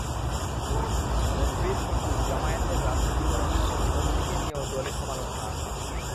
নদভীর শ্বশুর জামায়াতের রাজনীতি করেন এবং নদভীকে নিয়েও দলে সমালোচনা আছে।